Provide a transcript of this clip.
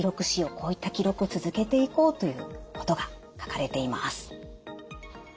こういった記録を続けていこうということが書かれています。